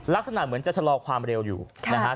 ลักษณะเหมือนจะชะลอความเร็วอยู่นะฮะ